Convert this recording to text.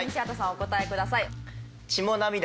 お答えください。